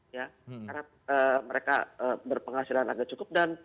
karena mereka berpenghasilan agak cukup